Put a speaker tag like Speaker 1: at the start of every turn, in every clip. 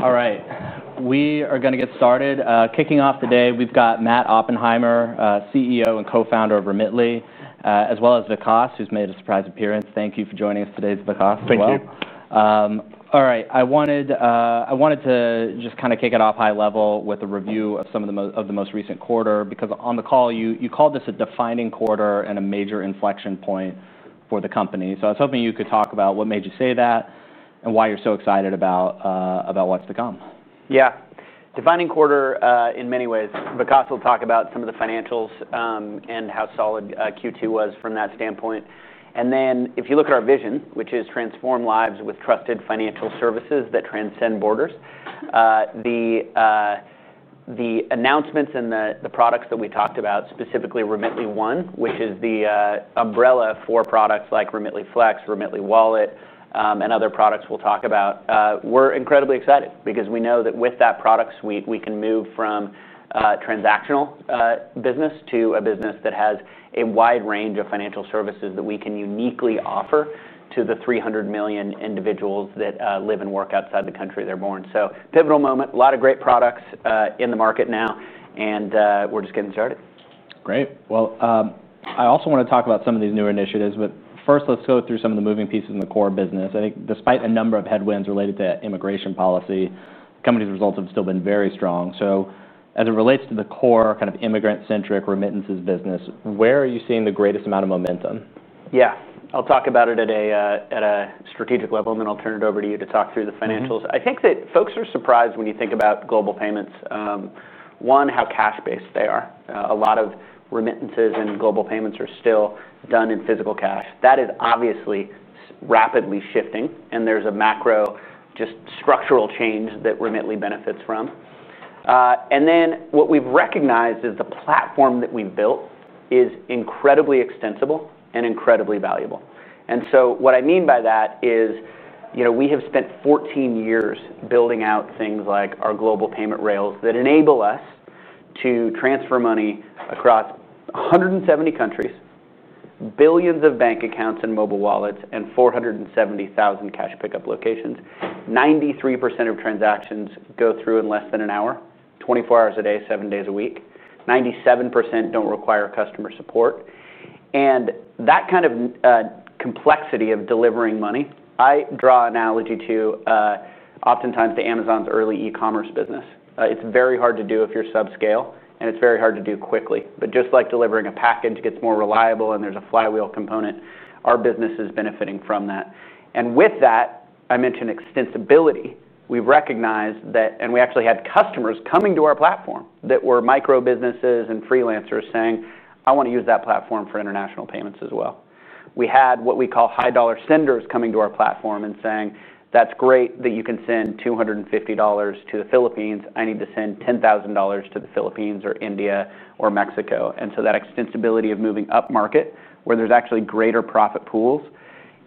Speaker 1: All right. We are going to get started. Kicking off the day, we've got Matt Oppenheimer, CEO and co-founder of Remitly, as well as Vikas, who's made a surprise appearance. Thank you for joining us today, Vikas.
Speaker 2: Thank you.
Speaker 1: All right. I wanted to just kinda kick it off high level with a review of the most recent quarter because on the call, you called this a defining quarter and a major inflection point for the company. I was hoping you could talk about what made you say that and why you're so excited about what's to come.
Speaker 3: Yeah. Defining quarter, in many ways. Vikas will talk about some of the financials, and how solid Q2 was from that standpoint. If you look at our vision, which is transform lives with trusted financial services that transcend borders, the announcements and the products that we talked about, specifically Remitly One, which is the umbrella for products like Remitly Flex, Remitly Wallet, and other products we'll talk about, we're incredibly excited because we know that with that product suite, we can move from transactional business to a business that has a wide range of financial services that we can uniquely offer to the 300 million individuals that live and work outside the country they're born. Pivotal moment, a lot of great products in the market now, and we're just getting started.
Speaker 1: Great. I also wanna talk about some of these new initiatives, but first, let's go through some of the moving pieces in the core business. I think despite a number of headwinds related to immigration policy, the company's results have still been very strong. As it relates to the core kind of immigrant-centric remittances business, where are you seeing the greatest amount of momentum?
Speaker 3: Yeah. I'll talk about it at a strategic level, and then I'll turn it over to you to talk through the financials. I think that folks are surprised when you think about global payments, one, how cash-based they are. A lot of remittances and global payments are still done in physical cash. That is obviously rapidly shifting, and there's a macro, just structural change that Remitly benefits from. What we've recognized is the platform that we've built is incredibly extensible and incredibly valuable. What I mean by that is, you know, we have spent 14 years building out things like our global payment rails that enable us to transfer money across 170 countries, billions of bank accounts and mobile wallets, and 470,000 cash pickup locations. 93% of transactions go through in less than an hour, 24 hours a day, seven days a week. 97% don't require customer support. That kind of complexity of delivering money, I draw an analogy to, oftentimes, Amazon's early e-commerce business. It's very hard to do if you're sub-scale, and it's very hard to do quickly. Just like delivering a package gets more reliable and there's a flywheel component, our business is benefiting from that. With that, I mentioned extensibility. We recognize that, and we actually had customers coming to our platform that were micro-businesses and freelancers saying, "I wanna use that platform for international payments as well." We had what we call high-dollar senders coming to our platform and saying, "That's great that you can send $250 to the Philippines. I need to send $10,000 to the Philippines or India or Mexico." That extensibility of moving up market where there's actually greater profit pools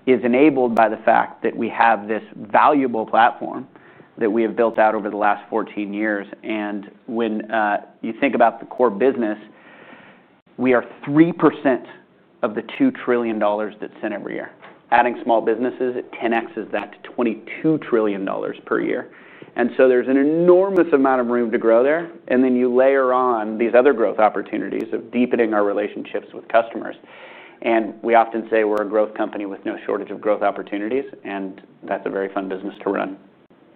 Speaker 3: is enabled by the fact that we have this valuable platform that we have built out over the last 14 years. When you think about the core business, we are 3% of the $2 trillion that's sent every year. Adding small businesses, it 10xs that to $22 trillion per year. There's an enormous amount of room to grow there. You layer on these other growth opportunities of deepening our relationships with customers. We often say we're a growth company with no shortage of growth opportunities, and that's a very fun business to run.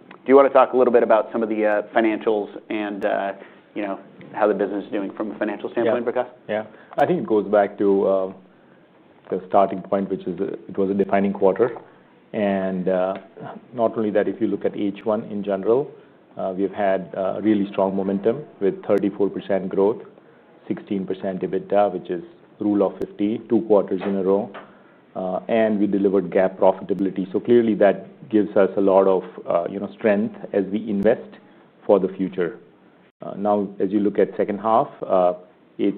Speaker 3: Do you wanna talk a little bit about some of the financials and, you know, how the business is doing from a financial standpoint, Vikas?
Speaker 2: Yeah. I think it goes back to the starting point, which is it was a defining quarter. Not only that, if you look at each one in general, we have had really strong momentum with 34% growth, 16% EBITDA, which is rule of 50, two quarters in a row, and we delivered GAAP profitability. Clearly, that gives us a lot of strength as we invest for the future. Now, as you look at the second half, it's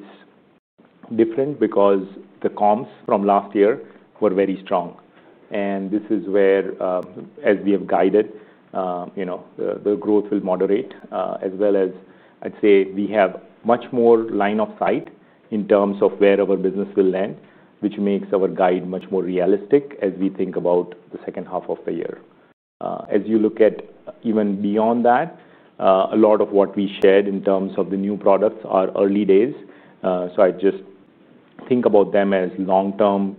Speaker 2: different because the comps from last year were very strong. This is where, as we have guided, the growth will moderate, as well as I'd say we have much more line of sight in terms of where our business will land, which makes our guide much more realistic as we think about the second half of the year. As you look at even beyond that, a lot of what we shared in terms of the new products are early days. I just think about them as long-term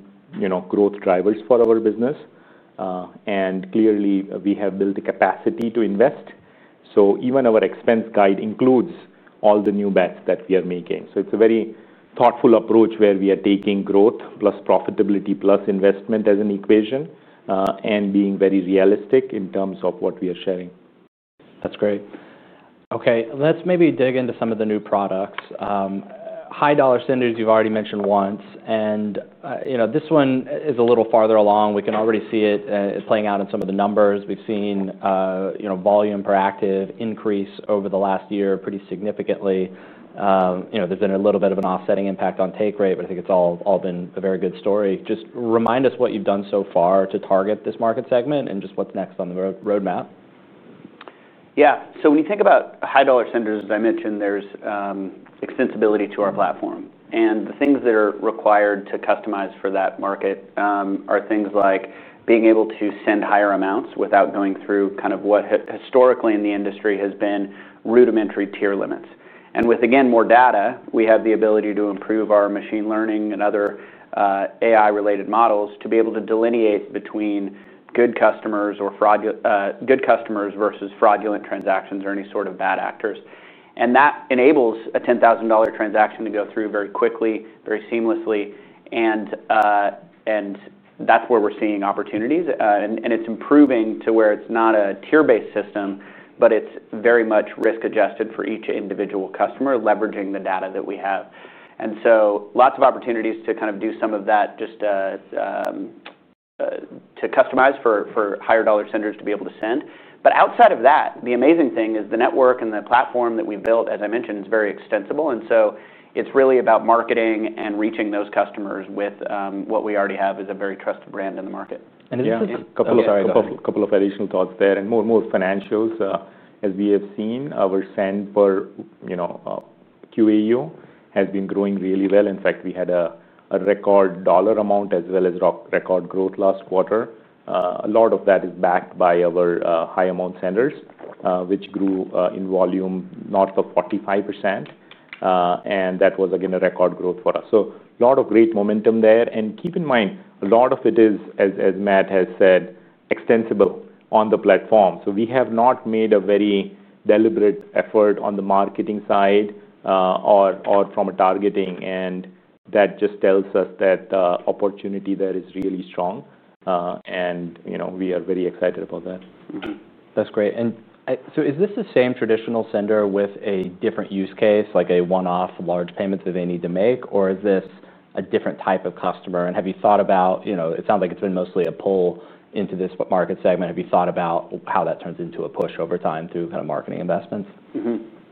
Speaker 2: growth drivers for our business. Clearly, we have built a capacity to invest. Even our expense guide includes all the new bets that we are making. It's a very thoughtful approach where we are taking growth plus profitability plus investment as an equation, and being very realistic in terms of what we are sharing.
Speaker 3: That's great. Okay. Let's maybe dig into some of the new products. High-dollar senders, you've already mentioned once, and this one is a little farther along. We can already see it playing out in some of the numbers. We've seen volume per active increase over the last year pretty significantly. There's been a little bit of an offsetting impact on take rate, but I think it's all been a very good story. Just remind us what you've done so far to target this market segment and just what's next on the roadmap. Yeah. When you think about high-dollar senders, as I mentioned, there's extensibility to our platform. The things that are required to customize for that market are things like being able to send higher amounts without going through what historically in the industry has been rudimentary tier limits. With more data, we have the ability to improve our machine learning and other AI-related models to be able to delineate between good customers versus fraudulent transactions or any sort of bad actors. That enables a $10,000 transaction to go through very quickly, very seamlessly. That's where we're seeing opportunities, and it's improving to where it's not a tier-based system, but it's very much risk-adjusted for each individual customer, leveraging the data that we have. There are lots of opportunities to do some of that to customize for higher-dollar senders to be able to send. Outside of that, the amazing thing is the network and the platform that we've built, as I mentioned, is very extensible. It's really about marketing and reaching those customers with what we already have as a very trusted brand in the market.
Speaker 2: A couple of additional thoughts there. More and more financials, as we have seen, our send per, you know,[ QAO] has been growing really well. In fact, we had a record dollar amount as well as record growth last quarter. A lot of that is backed by our high-amount senders, which grew in volume north of 45%. That was, again, a record growth for us. A lot of great momentum there. Keep in mind, a lot of it is, as Matt has said, extensible on the platform. We have not made a very deliberate effort on the marketing side or from a targeting, and that just tells us that opportunity there is really strong. We are very excited about that.
Speaker 1: That's great. Is this the same traditional sender with a different use case, like a one-off large payment that they need to make, or is this a different type of customer? Have you thought about, you know, it sounds like it's been mostly a pull into this market segment. Have you thought about how that turns into a push over time through kind of marketing investments?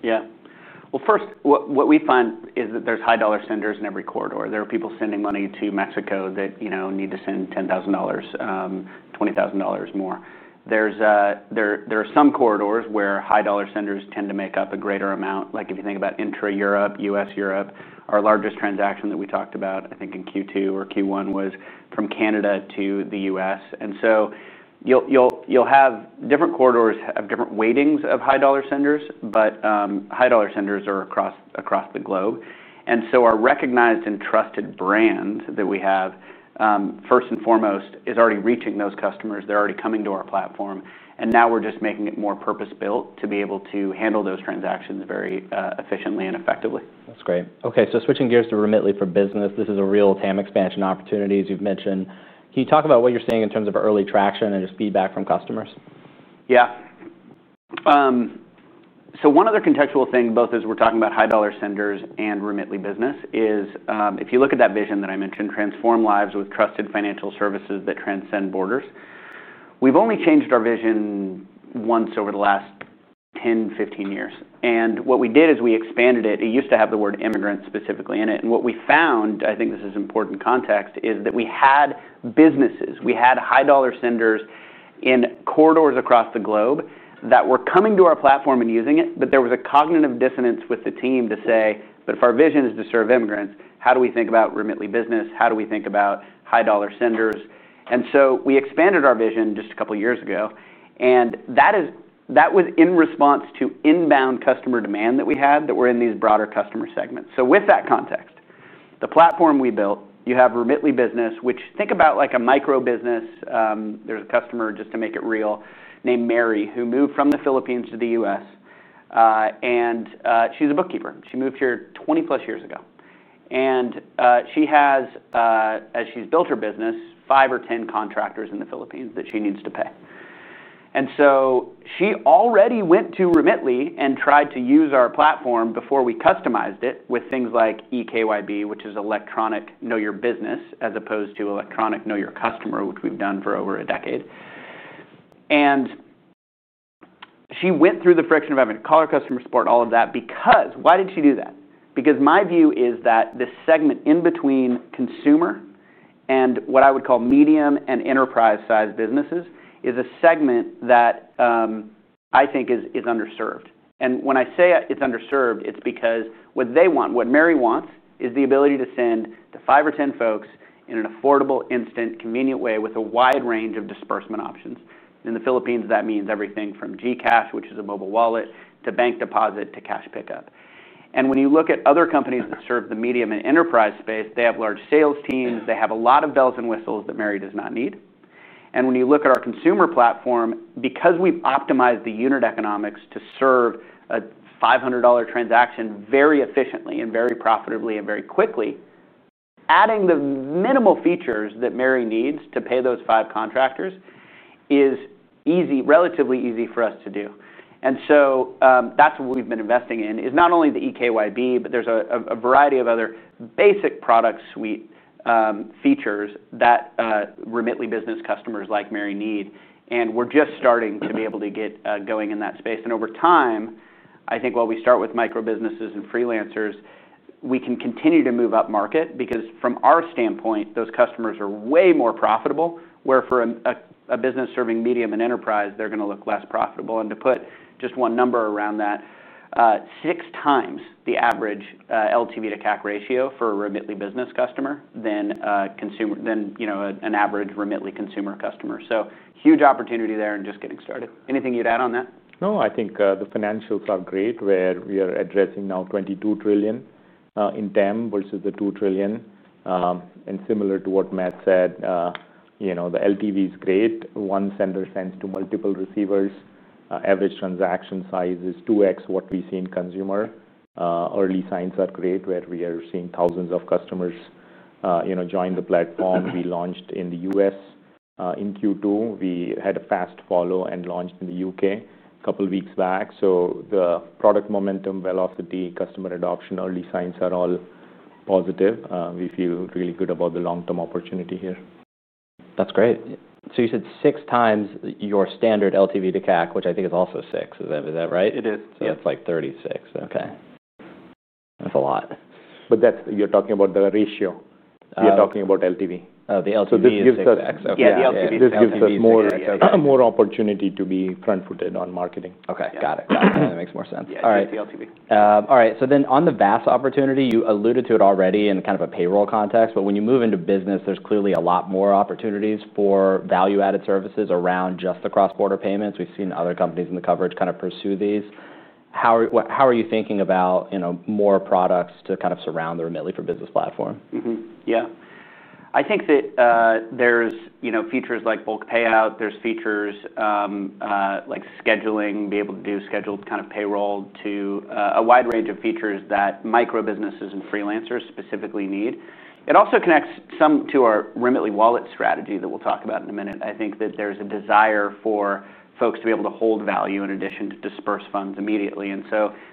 Speaker 3: Yeah. What we find is that there's high-dollar senders in every corridor. There are people sending money to Mexico that, you know, need to send $10,000, $20,000 or more. There are some corridors where high-dollar senders tend to make up a greater amount. If you think about intra Europe, U.S. Europe, our largest transaction that we talked about, I think, in Q2 or Q1 was from Canada to the U.S. You'll have different corridors have different weightings of high-dollar senders, but high-dollar senders are across the globe. Our recognized and trusted brands that we have, first and foremost, are already reaching those customers. They're already coming to our platform. Now we're just making it more purpose-built to be able to handle those transactions very efficiently and effectively.
Speaker 1: That's great. Okay. Switching gears to Remitly Business, this is a real TAM expansion opportunity as you've mentioned. Can you talk about what you're seeing in terms of early traction and just feedback from customers?
Speaker 3: Yeah, so one other contextual thing, both as we're talking about high-dollar senders and Remitly Business, is, if you look at that vision that I mentioned, transform lives with trusted financial services that transcend borders, we've only changed our vision once over the last 10 - 15 years. What we did is we expanded it. It used to have the word immigrant specifically in it. What we found, I think this is important context, is that we had businesses, we had high-dollar senders in corridors across the globe that were coming to our platform and using it, but there was a cognitive dissonance with the team to say, "But if our vision is to serve immigrants, how do we think about Remitly Business? How do we think about high-dollar senders?" We expanded our vision just a couple of years ago. That was in response to inbound customer demand that we had that were in these broader customer segments. With that context, the platform we built, you have Remitly Business, which, think about like a micro-business. There's a customer, just to make it real, named Mary, who moved from the Philippines to the U.S., and she's a bookkeeper. She moved here 20-plus years ago, and she has, as she's built her business, 5 or 10 contractors in the Philippines that she needs to pay. She already went to Remitly and tried to use our platform before we customized it with things like eKYB, which is electronic know your business, as opposed to electronic know your customer, which we've done for over a decade. She went through the friction of having to call our customer support and all of that because, why did she do that? My view is that the segment in between consumer and what I would call medium and enterprise-sized businesses is a segment that I think is underserved. When I say it's underserved, it's because what they want, what Mary wants, is the ability to send to 5 or 10 folks in an affordable, instant, convenient way with a wide range of disbursement options. In the Philippines, that means everything from GCash, which is a mobile wallet, to bank deposit, to cash pickup. When you look at other companies that serve the medium and enterprise space, they have large sales teams. They have a lot of bells and whistles that Mary does not need. When you look at our consumer platform, because we've optimized the unit economics to serve a $500 transaction very efficiently, very profitably, and very quickly, adding the minimal features that Mary needs to pay those 5 contractors is relatively easy for us to do. That's what we've been investing in, not only the eKYB, but there's a variety of other basic product suite features that Remitly Business customers like Mary need. We're just starting to be able to get going in that space. Over time, I think while we start with micro-businesses and freelancers, we can continue to move up market because from our standpoint, those customers are way more profitable, where for a business serving medium and enterprise, they're going to look less profitable. To put just one number around that, six times the average LTV to CAC ratio for a Remitly Business customer than consumer, than an average Remitly consumer customer. Huge opportunity there and just getting started. Anything you'd add on that?
Speaker 2: No. I think the financials are great where we are addressing now $22 trillion in TAM versus the $2 trillion. Similar to what Matt said, you know, the LTV is great. One sender sends to multiple receivers. Average transaction size is 2x what we see in consumer. Early signs are great where we are seeing thousands of customers, you know, join the platform. We launched in the U.S. in Q2. We had a fast follow and launched in the U.K. a couple of weeks back. The product momentum is well off the Customer adoption, early signs are all positive. We feel really good about the long-term opportunity here.
Speaker 1: That's great. You said six times your standard LTV to CAC, which I think is also six. Is that right?
Speaker 2: It is like 36
Speaker 1: Okay, that's a lot.
Speaker 2: You're talking about the ratio.
Speaker 1: Yeah.
Speaker 2: You're talking about LTV.
Speaker 1: Oh, the LTV.
Speaker 2: This gives us.
Speaker 1: Okay.
Speaker 2: Yeah, the LTV. This gives us more opportunity to be front-footed on marketing.
Speaker 1: Okay. Got it. Got it. That makes more sense.
Speaker 2: Yeah.
Speaker 1: All right.
Speaker 2: The LTV.
Speaker 1: All right. On the VAS opportunity, you alluded to it already in kind of a payroll context. When you move into business, there's clearly a lot more opportunities for value-added services around just the cross-border payments. We've seen other companies in the coverage kind of pursue these. How are you thinking about, you know, more products to kind of surround the Remitly business platform?
Speaker 3: Yeah. I think that there's features like bulk payout. There's features like scheduling, be able to do scheduled kind of payroll to a wide range of features that micro-businesses and freelancers specifically need. It also connects some to our Remitly wallet strategy that we'll talk about in a minute. I think that there's a desire for folks to be able to hold value in addition to disburse funds immediately.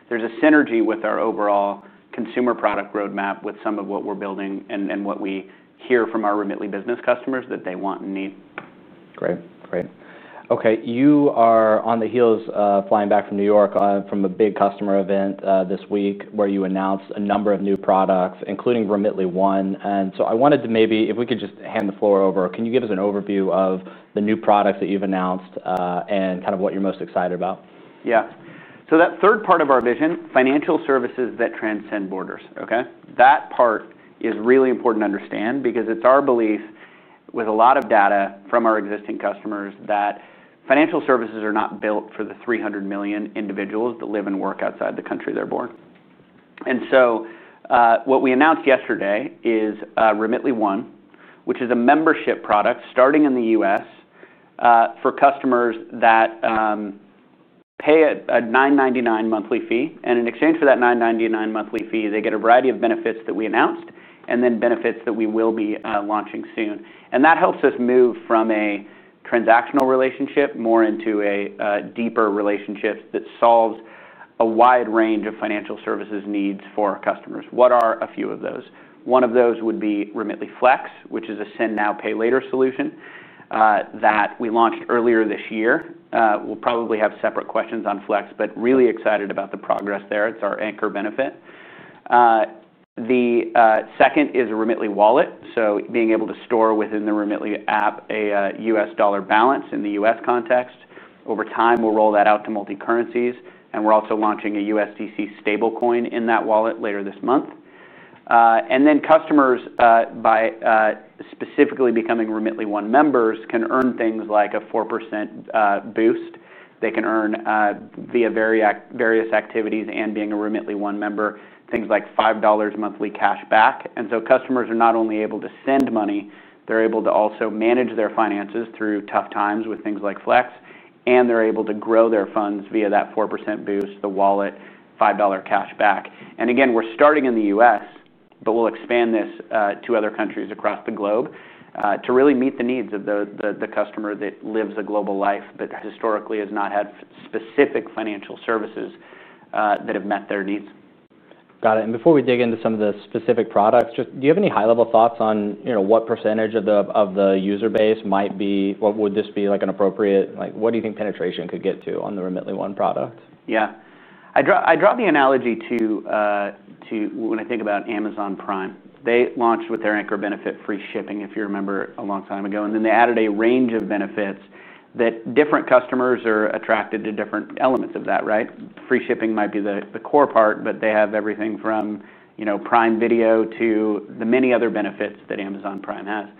Speaker 3: There's a synergy with our overall consumer product roadmap with some of what we're building and what we hear from our Remitly business customers that they want and need.
Speaker 1: Great. Great. Okay. You are on the heels, flying back from New York, from a big customer event this week where you announced a number of new products, including Remitly One. I wanted to maybe, if we could just hand the floor over, can you give us an overview of the new products that you've announced, and kind of what you're most excited about?
Speaker 3: Yeah. That third part of our vision, financial services that transcend borders, is really important to understand because it's our belief with a lot of data from our existing customers that financial services are not built for the 300 million individuals that live and work outside the country they're born. What we announced yesterday is Remitly One, which is a membership product starting in the U.S. for customers that pay a $999 monthly fee. In exchange for that $999 monthly fee, they get a variety of benefits that we announced and then benefits that we will be launching soon. That helps us move from a transactional relationship more into a deeper relationship that solves a wide range of financial services needs for customers. What are a few of those? One of those would be Remitly Flex, which is a send now, pay later solution that we launched earlier this year. We'll probably have separate questions on Flex, but really excited about the progress there. It's our anchor benefit. The second is a Remitly Wallet, so being able to store within the Remitly app a U.S. dollar balance in the U.S. context. Over time, we'll roll that out to multi-currencies, and we're also launching a USDC stablecoin in that wallet later this month. Customers, by specifically becoming Remitly One members, can earn things like a 4% boost. They can earn, via various activities and being a Remitly One member, things like $5 monthly cash back. Customers are not only able to send money, they're able to also manage their finances through tough times with things like Flex, and they're able to grow their funds via that 4% boost, the wallet, $5 cash back. We're starting in the U.S., but we'll expand this to other countries across the globe to really meet the needs of the customer that lives a global life but historically has not had specific financial services that have met their needs.
Speaker 1: Got it. Before we dig into some of the specific products, do you have any high-level thoughts on what percentage of the user base might be, what would this be, like an appropriate, like, what do you think penetration could get to on the Remitly One product?
Speaker 3: Yeah. I draw the analogy to when I think about Amazon Prime. They launched with their anchor benefit, free shipping, if you remember, a long time ago. Then they added a range of benefits that different customers are attracted to, different elements of that. Right? Free shipping might be the core part, but they have everything from, you know, Prime Video to the many other benefits that Amazon Prime app.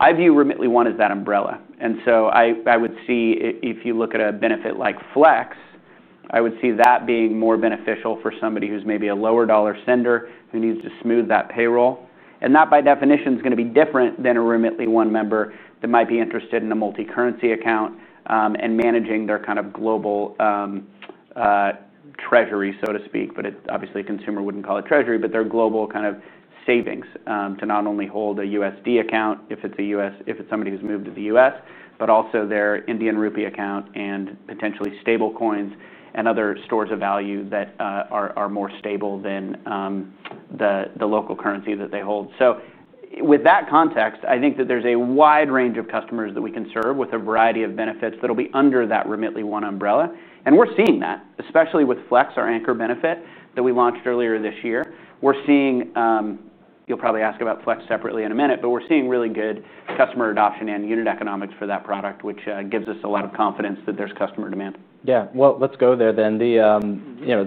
Speaker 3: I view Remitly One as that umbrella. I would see if you look at a benefit like Flex, I would see that being more beneficial for somebody who's maybe a lower dollar sender who needs to smooth that payroll. That, by definition, is going to be different than a Remitly One member that might be interested in a multi-currency account, and managing their kind of global treasury, so to speak. Obviously, a consumer wouldn't call it treasury, but their global kind of savings, to not only hold a USD account if it's somebody who's moved to the U.S., but also their Indian rupee account and potentially stablecoins and other stores of value that are more stable than the local currency that they hold. With that context, I think that there's a wide range of customers that we can serve with a variety of benefits that'll be under that Remitly One umbrella. We're seeing that, especially with Flex, our anchor benefit that we launched earlier this year. We're seeing, you'll probably ask about Flex separately in a minute, but we're seeing really good customer adoption and unit economics for that product, which gives us a lot of confidence that there's customer demand.
Speaker 1: Let's go there then.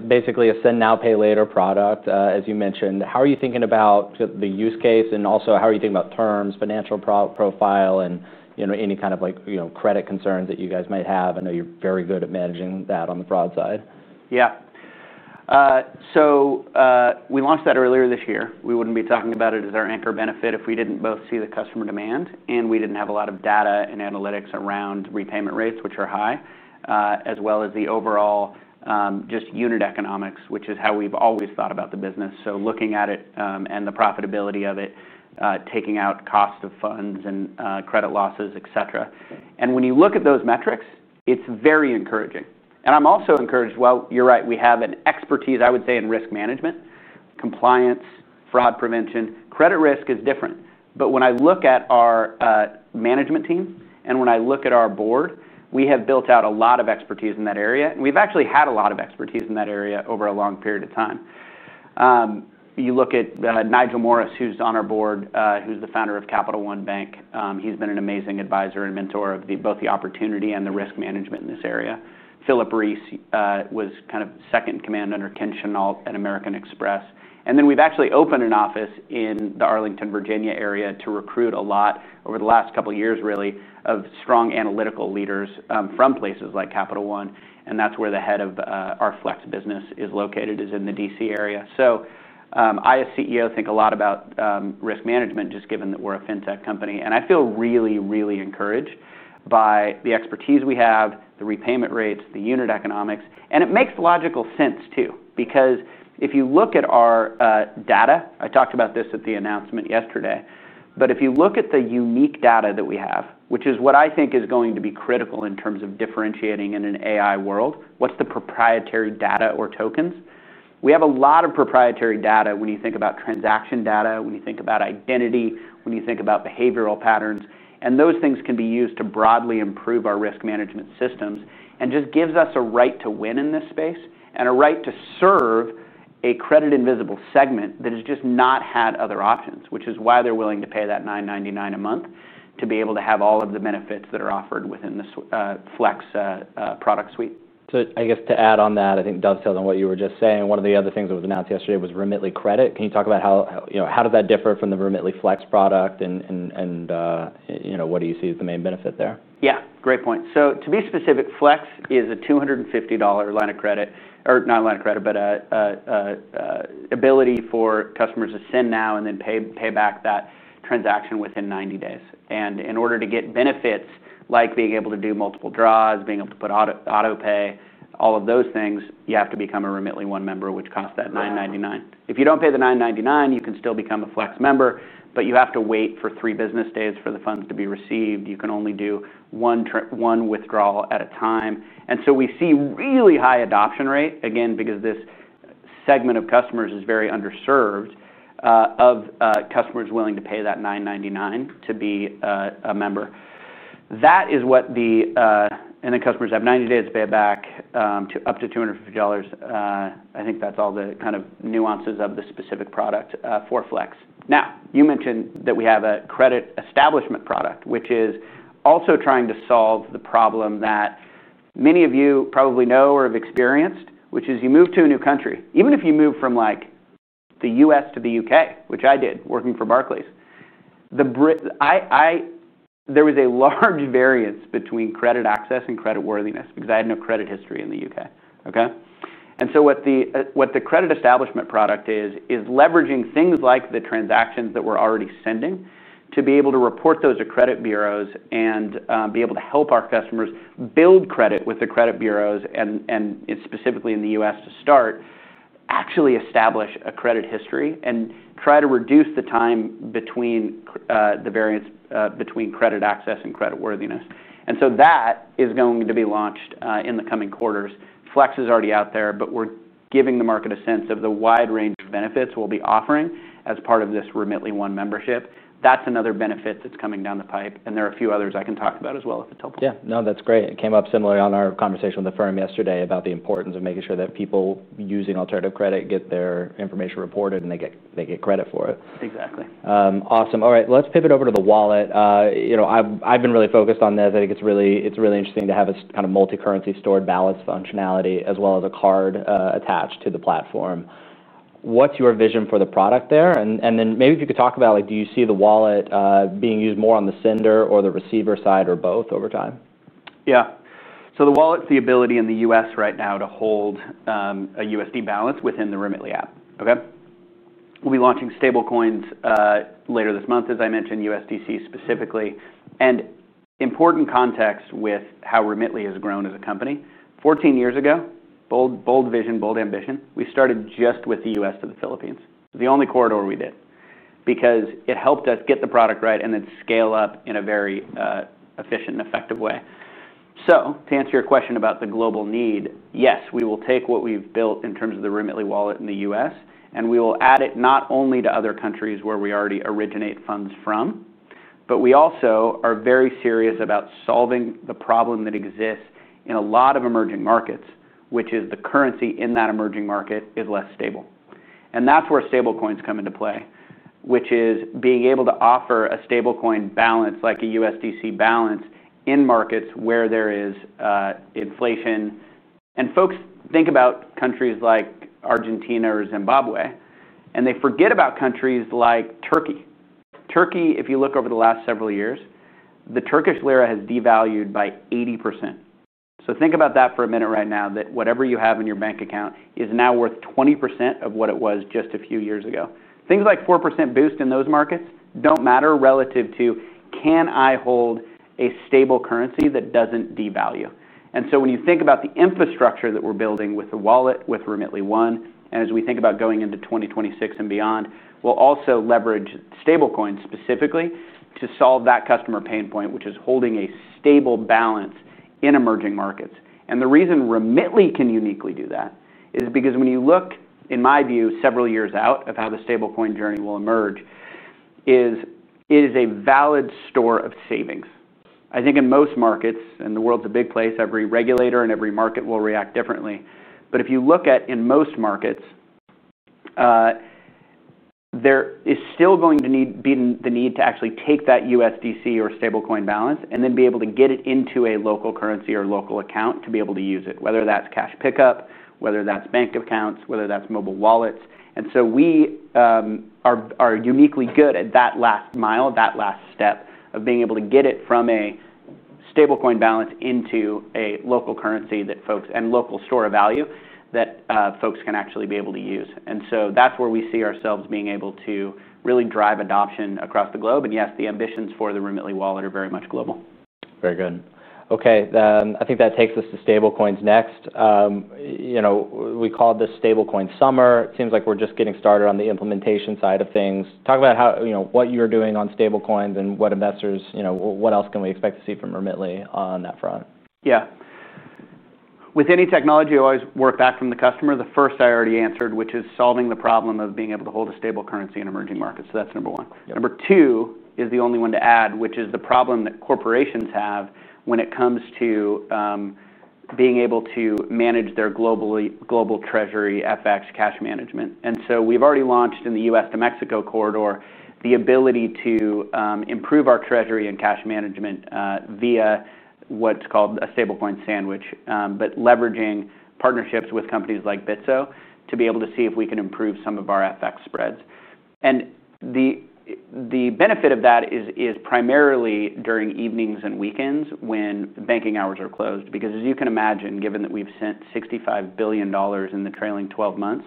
Speaker 1: Basically, a send now, pay later product, as you mentioned. How are you thinking about the use case, and also how are you thinking about terms, financial profile, and any kind of credit concerns that you guys might have? I know you're very good at managing that on the fraud side.
Speaker 3: Yeah. So, we launched that earlier this year. We wouldn't be talking about it as our anchor benefit if we didn't both see the customer demand and we didn't have a lot of data and analytics around repayment rates, which are high, as well as the overall, just unit economics, which is how we've always thought about the business. Looking at it, and the profitability of it, taking out cost of funds and credit losses, etcetera. When you look at those metrics, it's very encouraging. I'm also encouraged. You're right. We have an expertise, I would say, in risk management, compliance, fraud prevention. Credit risk is different. When I look at our management team and when I look at our board, we have built out a lot of expertise in that area, and we've actually had a lot of expertise in that area over a long period of time. You look at Nigel Morris, who's on our board, who's the founder of Capital One Bank. He's been an amazing adviser and mentor of both the opportunity and the risk management in this area. Philip Reese was kind of second in command under Ken Schnall at American Express. We've actually opened an office in the Arlington, Virginia area to recruit a lot over the last couple of years, really, of strong analytical leaders from places like Capital One. That's where the head of our Flex business is located, in the DC area. I, as CEO, think a lot about risk management, just given that we're a fintech company. I feel really, really encouraged by the expertise we have, the repayment rates, the unit economics. It makes logical sense too because if you look at our data, I talked about this at the announcement yesterday, but if you look at the unique data that we have, which is what I think is going to be critical in terms of differentiating in an AI world, what's the proprietary data or tokens? We have a lot of proprietary data when you think about transaction data, when you think about identity, when you think about behavioral patterns. Those things can be used to broadly improve our risk management systems and just give us a right to win in this space and a right to serve a credit invisible segment that has just not had other options, which is why they're willing to pay that $999 a month to be able to have all of the benefits that are offered within this Flex product suite.
Speaker 1: I guess to add on that, I think dovetails on what you were just saying, one of the other things that was announced yesterday was Remitly credit. Can you talk about how, you know, how does that differ from the Remitly Flex product and, you know, what do you see as the main benefit there?
Speaker 3: Yeah. Great point. To be specific, Remitly Flex is a $250 line of credit, or not a line of credit, but an ability for customers to send now and then pay back that transaction within 90 days. In order to get benefits like being able to do multiple draws, being able to put autopay, all of those things, you have to become a Remitly One member, which costs $999. If you don't pay the $999, you can still become a Flex member, but you have to wait for three business days for the funds to be received. You can only do one withdrawal at a time. We see really high adoption rate, again, because this segment of customers is very underserved, of customers willing to pay that $999 to be a member. That is what the, and then customers have 90 days to pay it back, up to $250. I think that's all the kind of nuances of the specific product for Flex. You mentioned that we have a credit establishment product, which is also trying to solve the problem that many of you probably know or have experienced, which is you move to a new country. Even if you move from the U.S. to the U.K., which I did working for Barclays, there was a large variance between credit access and credit worthiness because I had no credit history in the U.K. What the credit establishment product is, is leveraging things like the transactions that we're already sending to be able to report those to credit bureaus and be able to help our customers build credit with the credit bureaus, and specifically in the U.S. to start, actually establish a credit history and try to reduce the time between the variance between credit access and credit worthiness. That is going to be launched in the coming quarters. Flex is already out there, but we're giving the market a sense of the wide range of benefits we'll be offering as part of this Remitly One membership. That's another benefit that's coming down the pipe, and there are a few others I can talk about as well if it's helpful.
Speaker 1: Yeah. No, that's great. It came up similarly in our conversation with the firm yesterday about the importance of making sure that people using alternative credit get their information reported and they get credit for it.
Speaker 3: Exactly.
Speaker 1: Awesome. All right. Let's pivot over to the wallet. You know, I've been really focused on this. I think it's really interesting to have this kind of multi-currency stored balance functionality as well as a card attached to the platform. What's your vision for the product there? Maybe if you could talk about, like, do you see the wallet being used more on the sender or the receiver side or both over time?
Speaker 3: Yeah. The wallet's the ability in the U.S. right now to hold a USD balance within the Remitly app. We'll be launching stablecoins later this month, as I mentioned, USDC specifically. Important context with how Remitly has grown as a company: 14 years ago, bold vision, bold ambition, we started just with the U.S. to the Philippines, the only corridor we did because it helped us get the product right and then scale up in a very efficient and effective way. To answer your question about the global need, yes, we will take what we've built in terms of the Remitly Wallet in the U.S., and we will add it not only to other countries where we already originate funds from, but we also are very serious about solving the problem that exists in a lot of emerging markets, which is the currency in that emerging market is less stable. That's where stablecoins come into play, which is being able to offer a stablecoin balance like a USDC balance in markets where there is inflation. Folks think about countries like Argentina or Zimbabwe, and they forget about countries like Turkey. Turkey, if you look over the last several years, the Turkish lira has devalued by 80%. Think about that for a minute right now that whatever you have in your bank account is now worth 20% of what it was just a few years ago. Things like 4% boost in those markets don't matter relative to can I hold a stable currency that doesn't devalue. When you think about the infrastructure that we're building with the wallet, with Remitly One, and as we think about going into 2026 and beyond, we'll also leverage stablecoins specifically to solve that customer pain point, which is holding a stable balance in emerging markets. The reason Remitly can uniquely do that is because when you look, in my view, several years out of how the stablecoin journey will emerge, it is a valid store of savings. I think in most markets, and the world's a big place, every regulator and every market will react differently. If you look at in most markets, there is still going to be the need to actually take that USDC or stablecoin balance and then be able to get it into a local currency or local account to be able to use it, whether that's cash pickup, whether that's bank accounts, whether that's mobile wallets. We are uniquely good at that last mile, that last step of being able to get it from a stablecoin balance into a local currency and local store of value that folks can actually be able to use. That's where we see ourselves being able to really drive adoption across the globe. Yes, the ambitions for the Remitly Wallet are very much global.
Speaker 1: Very good. Okay. I think that takes us to stablecoins next. You know, we called this stablecoin summer. It seems like we're just getting started on the implementation side of things. Talk about how, you know, what you're doing on stablecoins and what investors, you know, what else can we expect to see from Remitly on that front?
Speaker 3: Yeah. With any technology, I always work back from the customer. The first I already answered, which is solving the problem of being able to hold a stable currency in emerging markets. That's number one.
Speaker 1: Yeah.
Speaker 3: Number two is the only one to add, which is the problem that corporations have when it comes to being able to manage their global global treasury FX cash management. We've already launched in the U.S. to Mexico corridor the ability to improve our treasury and cash management via what's called a stablecoin sandwich, leveraging partnerships with companies like Bitso to be able to see if we can improve some of our FX spreads. The benefit of that is primarily during evenings and weekends when banking hours are closed because, as you can imagine, given that we've sent $65 billion in the trailing 12 months,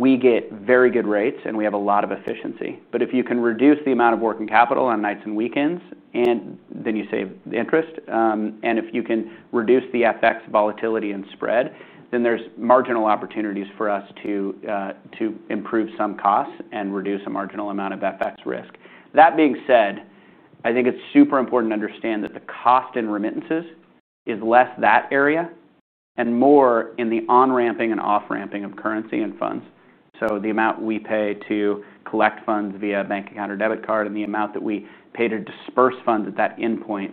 Speaker 3: we get very good rates and we have a lot of efficiency. If you can reduce the amount of working capital on nights and weekends, you save the interest, and if you can reduce the FX volatility and spread, then there's marginal opportunities for us to improve some costs and reduce a marginal amount of FX risk. That being said, I think it's super important to understand that the cost in remittances is less that area and more in the on-ramping and off-ramping of currency and funds. The amount we pay to collect funds via a bank account or debit card and the amount that we pay to disburse funds at that endpoint,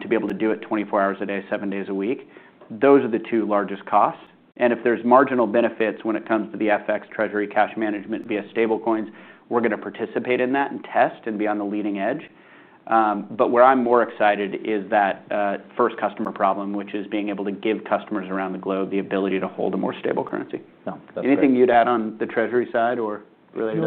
Speaker 3: to be able to do it 24 hours a day, days a week, those are the two largest costs. If there's marginal benefits when it comes to the FX treasury cash management via stablecoins, we are going to participate in that and test and be on the leading edge. Where I'm more excited is that first customer problem, which is being able to give customers around the globe the ability to hold a more stable currency.
Speaker 1: Anything you'd add on the treasury side or related?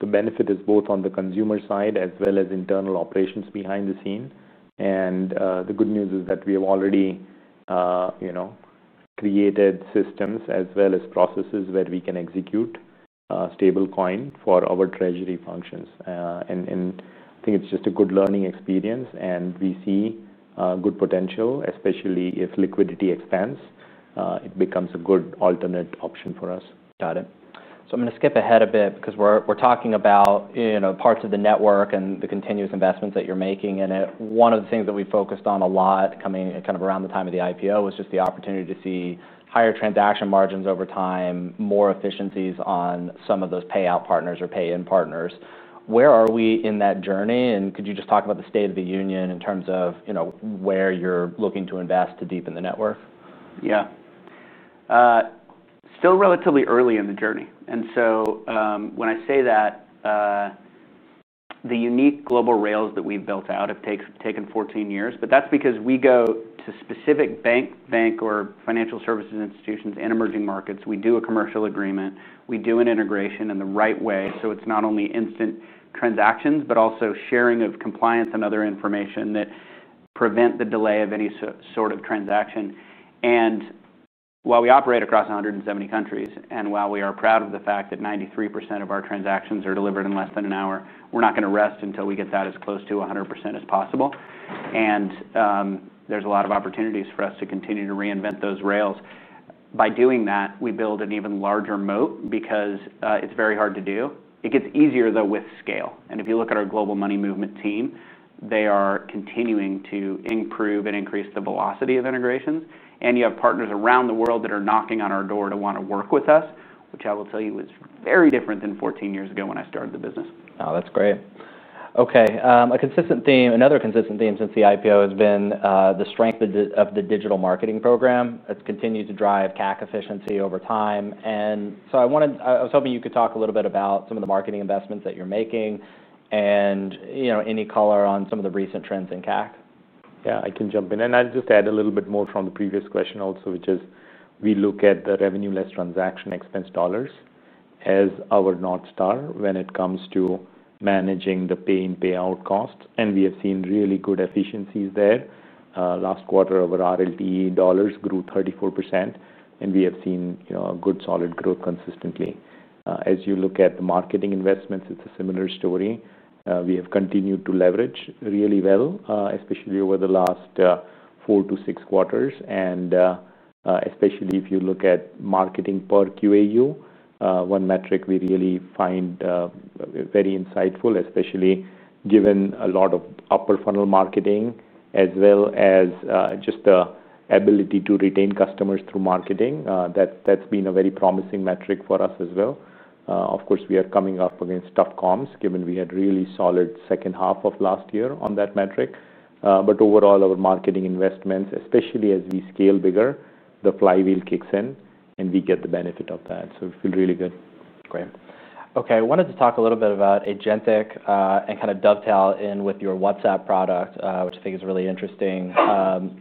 Speaker 2: The benefit is both on the consumer side as well as internal operations behind the scene. The good news is that we have already created systems as well as processes where we can execute stablecoin for our treasury functions. I think it's just a good learning experience, and we see good potential, especially if liquidity expands. It becomes a good alternate option for us.
Speaker 1: Got it. I'm going to skip ahead a bit because we're talking about, you know, parts of the network and the continuous investments that you're making. One of the things that we focused on a lot coming kind of around the time of the IPO was just the opportunity to see higher transaction margins over time, more efficiencies on some of those payout partners or pay-in partners. Where are we in that journey? Could you just talk about the state of the union in terms of, you know, where you're looking to invest to deepen the network?
Speaker 3: Yeah, still relatively early in the journey. When I say that, the unique global rails that we've built out have taken 14 years, but that's because we go to specific bank or financial services institutions in emerging markets. We do a commercial agreement, and we do an integration in the right way so it's not only instant transactions, but also sharing of compliance and other information that prevent the delay of any sort of transaction. While we operate across 170 countries and while we are proud of the fact that 93% of our transactions are delivered in less than an hour, we're not going to rest until we get that as close to 100% as possible. There are a lot of opportunities for us to continue to reinvent those rails. By doing that, we build an even larger moat because it's very hard to do. It gets easier, though, with scale. If you look at our global money movement team, they are continuing to improve and increase the velocity of integrations. You have partners around the world that are knocking on our door to want to work with us, which I will tell you is very different than 14 years ago when I started the business.
Speaker 1: Oh, that's great. Okay. A consistent theme, another consistent theme since the IPO has been the strength of the digital marketing program. It's continued to drive CAC efficiency over time. I was hoping you could talk a little bit about some of the marketing investments that you're making and, you know, any color on some of the recent trends in CAC.
Speaker 2: Yeah. I can jump in. I'll just add a little bit more from the previous question also, which is we look at the revenue less transaction expense dollars as our north star when it comes to managing the pay-in payout costs. We have seen really good efficiencies there. Last quarter, our RLT dollars grew 34%, and we have seen a good solid growth consistently. As you look at the marketing investments, it's a similar story. We have continued to leverage really well, especially over the last four to six quarters. Especially if you look at marketing per QAU, one metric we really find very insightful, especially given a lot of upper funnel marketing as well as just the ability to retain customers through marketing. That's been a very promising metric for us as well. Of course, we are coming up against tough comps given we had really solid second half of last year on that metric. Overall, our marketing investments, especially as we scale bigger, the flywheel kicks in, and we get the benefit of that. We feel really good.
Speaker 1: Great. Okay. I wanted to talk a little bit about Agentic, and kind of dovetail in with your WhatsApp product, which I think is really interesting. In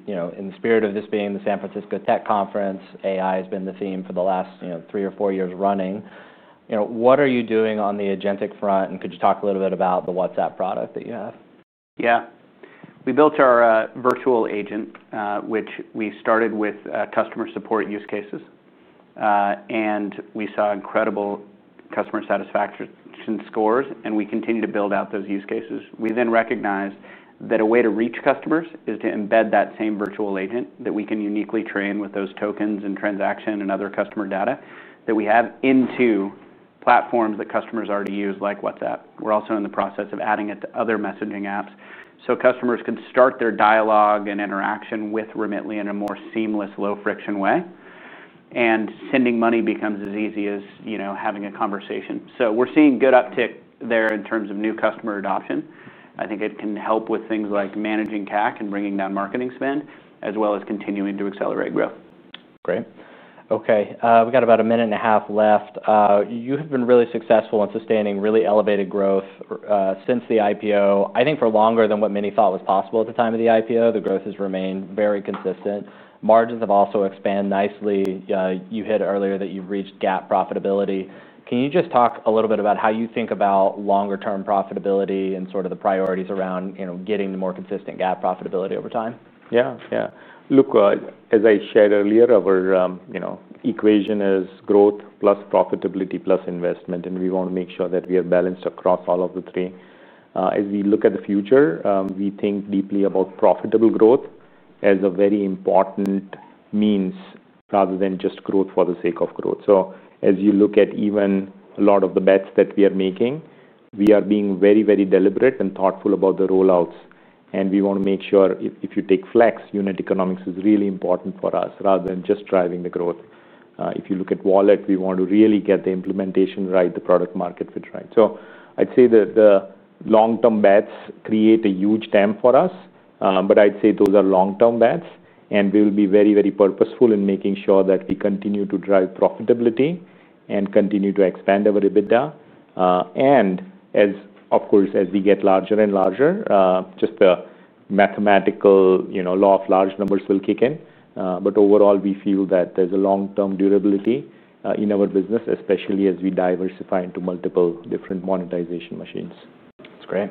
Speaker 1: the spirit of this being the San Francisco Tech Conference, AI has been the theme for the last 3 or 4 years running. What are you doing on the Agentic front, and could you talk a little bit about the WhatsApp product that you have?
Speaker 3: Yeah. We built our virtual agent, which we started with customer support use cases. We saw incredible customer satisfaction scores, and we continue to build out those use cases. We then recognize that a way to reach customers is to embed that same virtual agent that we can uniquely train with those tokens and transaction and other customer data that we have into platforms that customers already use, like WhatsApp. We're also in the process of adding it to other messaging apps so customers can start their dialogue and interaction with Remitly in a more seamless, low-friction way. Sending money becomes as easy as, you know, having a conversation. We're seeing good uptick there in terms of new customer adoption. I think it can help with things like managing CAC and bringing down marketing spend as well as continuing to accelerate growth.
Speaker 1: Great. Okay, we got about a minute and a half left. You have been really successful in sustaining really elevated growth since the IPO. I think for longer than what many thought was possible at the time of the IPO, the growth has remained very consistent. Margins have also expanded nicely. You hit earlier that you've reached GAAP profitability. Can you just talk a little bit about how you think about longer-term profitability and sort of the priorities around, you know, getting to more consistent GAAP profitability over time?
Speaker 2: Yeah. Yeah. Look, as I shared earlier, our equation is growth plus profitability plus investment, and we want to make sure that we have balance across all of the three. As we look at the future, we think deeply about profitable growth as a very important means rather than just growth for the sake of growth. As you look at even a lot of the bets that we are making, we are being very, very deliberate and thoughtful about the rollouts, and we want to make sure if you take Flex, unit economics is really important for us rather than just driving the growth. If you look at Wallet, we want to really get the implementation right, the product market fit right. I'd say that the long-term bets create a huge TAM for us. I'd say those are long-term bets, and we'll be very, very purposeful in making sure that we continue to drive profitability and continue to expand our EBITDA. As we get larger and larger, just the mathematical law of large numbers will kick in. Overall, we feel that there's a long-term durability in our business, especially as we diversify into multiple different monetization machines.
Speaker 1: That's great.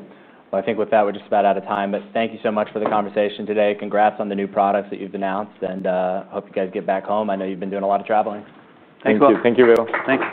Speaker 1: I think with that, we're just about out of time. Thank you so much for the conversation today. Congrats on the new products that you've announced, and hope you guys get back home. I know you've been doing a lot of traveling.
Speaker 3: Thanks, bro.
Speaker 2: Thank you. Thank you, Vikas.
Speaker 3: Thanks.